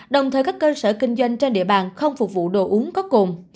đồng thời các cơ sở kinh doanh trên địa bàn không phục vụ đồ uống có cồn